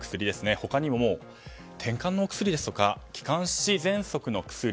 他にももうてんかんのお薬ですとか気管支ぜんそくの薬